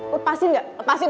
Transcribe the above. lepasin gak lepasin